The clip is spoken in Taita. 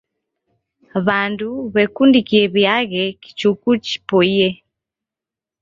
W'andu w'akundikie w'iaghe kichuku chipoiye.